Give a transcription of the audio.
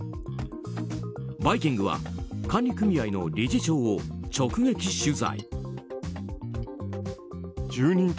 「バイキング」は管理組合の理事長を直撃取材。